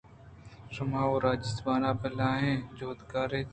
شما وَ راجی زُبان ءِ بلاھیں جُھدکار اِت